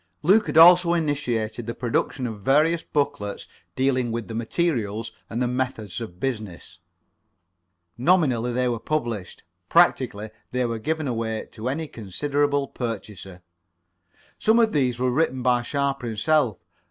Luke had also initiated the production of various booklets dealing with the materials and the methods of business. Nominally they were published; practically they were given away to any considerable purchaser. Some of these were written by Sharper himself.